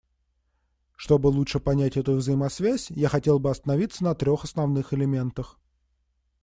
Чтобы лучше понять эту взаимосвязь, я хотел бы остановиться на трех основных элементах.